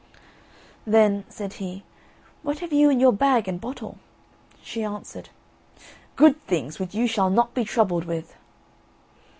"Then," said he, "what have you in your bag and bottle?" She answered: "Good things, which you shall not be troubled with."